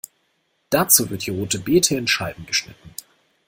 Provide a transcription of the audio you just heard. Dazu wird die Rote Bete in Scheiben geschnitten.